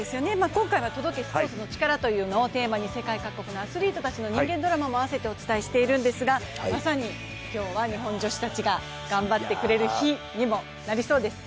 今回は「届け、スポーツのチカラ」をテーマに世界各国のアスリートたちの人間ドラマもお伝えしているんですが、まさに今日は日本女子たちが頑張ってくれる日にもなりそうですね。